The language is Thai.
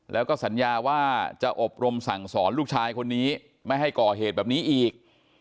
แล้วก็สัญญาว่าจะอบรมสั่งสอนลูกชายคนนี้ไม่ให้ก่อเหตุแบบนี้อีก